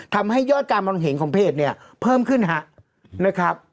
ทำให้ยอดการมองเห็นของเพจเนี่ยเพิ่มขึ้นนะครับ